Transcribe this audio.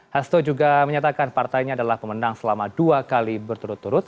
hasto juga menyatakan partainya adalah pemenang selama dua kali berturut turut